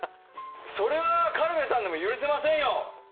それは軽部さんでも許せませんよ！